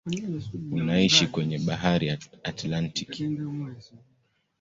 Unaishia kwenye bahari ya Atlantiki.